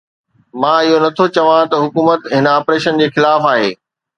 مان اهو نٿو چوان ته حڪومت هن آپريشن جي خلاف آهي.